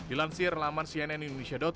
dilansir laman cnn indonesia